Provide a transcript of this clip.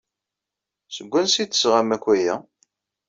Seg wansi ay d-tesɣam akk aya?